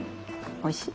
おいしい？